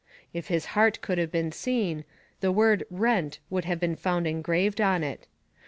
If his heart could have been seen, the word "Rent" would have been found engraved on it.